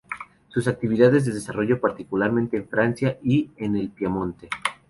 Su actividad se desarrolló particularmente en Francia y en el Piamonte.